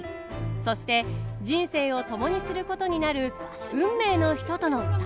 そして人生を共にすることになる運命の人との再会。